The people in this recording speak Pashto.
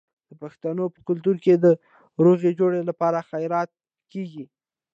د پښتنو په کلتور کې د روغې جوړې لپاره خیرات کیږي.